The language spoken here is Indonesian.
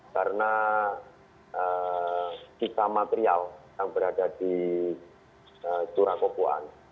karena kisah material yang berada di jurang kuburan